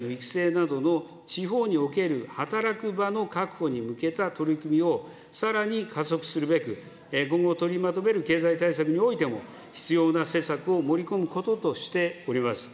観光業や農林水産業の振興、地域におけるデジタル人材の育成などの地方における働く場の確保に向けた取り組みを、さらに加速するべく、今後取りまとめる経済対策においても、必要な施策を盛り込むこととしております。